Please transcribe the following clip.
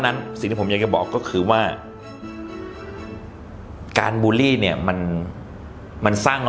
นั้นสิ่งที่ผมอยากจะบอกก็คือว่าการบูลลี่เนี่ยมันมันสร้าง